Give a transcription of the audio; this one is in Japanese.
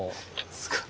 すごい。